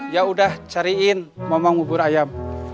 ya udah cariin mama bubur ayam